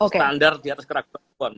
standar di atas keraguan